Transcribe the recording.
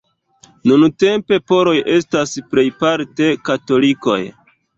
Nuntempe Poloj estas plejparte katolikoj.